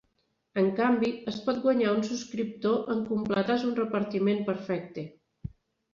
En canvi, es pot guanyar un subscriptor en completar-se un repartiment perfecte.